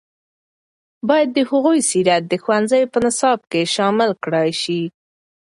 باید د هغوی سیرت د ښوونځیو په نصاب کې شامل کړل شي.